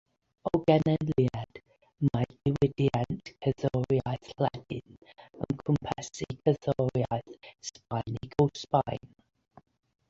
O ganlyniad, mae'r diwydiant cerddoriaeth Lladin yn cwmpasu cerddoriaeth Sbaeneg o Sbaen.